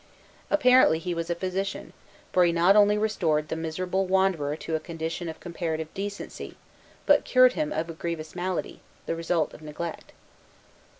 Apparently, he was a physician; for he not only restored the miserable wanderer to a condition of comparative decency, but cured him of a grievous malady, the result of neglect.